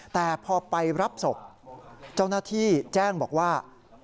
แต่พอไปรับศพเจ้าหน้าที่แจ้งบอกว่า